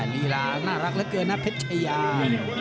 ลีลาน่ารักเหลือเกินนะเพชรชายา